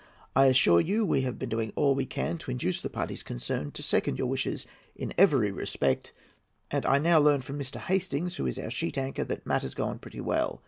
I assure you we have been doing all we can to induce the parties concerned to second your wishes in every respect; and I now learn from Mr. Hastings, who is our sheet anchor, that matters go on pretty well.